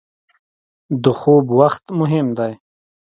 • د خوب وخت مهم دی.